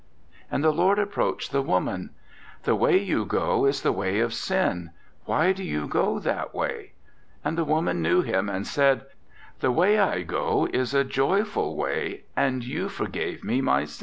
"And the Lord approached the woman: 'The way you go is the way of sin; why do you go that way?' And the woman knew him, and said: 'The way I go is a joyful way, and you forgave me my sins.'